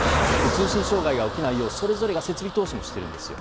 通信障害が起きないようそれぞれが設備投資もしてるんですよ。